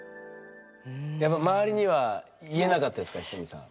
やっぱ周りには言えなかったですかひとみさん？